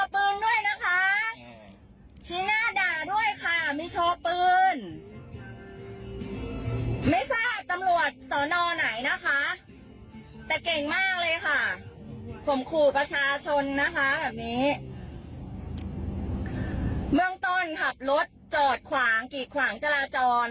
ประชาชนนะคะแบบนี้เมืองต้นขับรถจอดขวางกิดขวางจราจร